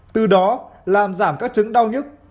từ đó làm giảm các chứng đau nhức